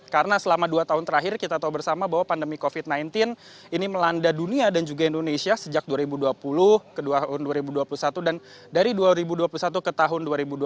karena selama dua tahun terakhir kita tahu bersama bahwa pandemi covid sembilan belas ini melanda dunia dan juga indonesia sejak dua ribu dua puluh ke dua ribu dua puluh satu dan dari dua ribu dua puluh satu ke tahun dua ribu dua puluh dua